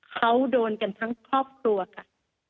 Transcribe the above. เขาโดนกันทั้งครอบครัวค่ะ